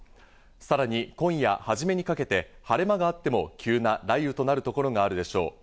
さらに今夜はじめにかけて、晴れ間があっても急な雷雨となるところがあるでしょう。